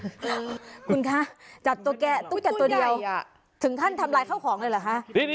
คุณคะจัดตุ๊กแกตุ๊กแกตัวเดียวถึงท่านทำรายเข้าของได้เหรอฮะ